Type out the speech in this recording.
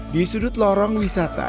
di sudut lorong wisata